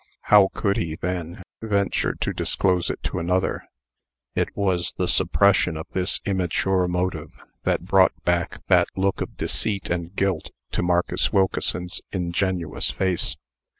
How could he, then, venture to disclose it to another? It was the suppression of this immature motive, that brought back that look of deceit and guilt to Marcus Wilkeson's ingenuous face.